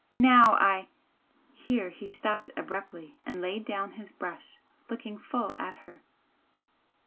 Now I " Here he stopped abruptly and laid down his brush, looking full at her.